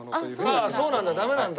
ああそうなんだダメなんだ。